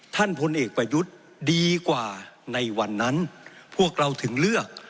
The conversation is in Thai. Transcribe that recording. พลเอกประยุทธ์ดีกว่าในวันนั้นพวกเราถึงเลือก